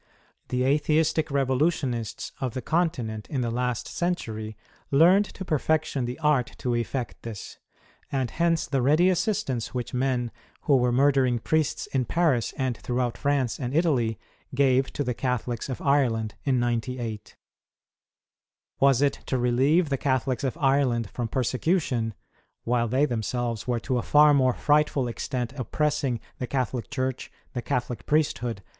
The Atheistic revolutionists of the Continent in the last century, learned to perfection the art to effect this ; and hence the ready assistance which men who were murdering priests in Paris and throughout France and Italy, gave to the Catholics of Ireland in '98. Was it to relieve the Catholics of Ireland from persecution, while they themselves were to a far more frightful extent oppressing the Catholic Church, the Catholic priesthood.